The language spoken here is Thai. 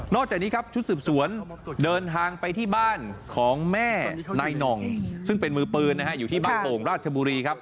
จากนี้ครับชุดสืบสวนเดินทางไปที่บ้านของแม่นายหน่องซึ่งเป็นมือปืนนะฮะอยู่ที่บางโป่งราชบุรีครับ